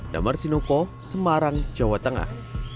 damar sinuko semarang jawa tengah